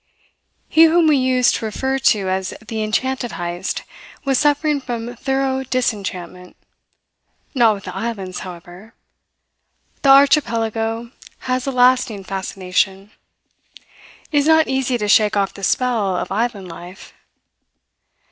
He whom we used to refer to as the Enchanted Heyst was suffering from thorough disenchantment. Not with the islands, however. The Archipelago has a lasting fascination. It is not easy to shake off the spell of island life.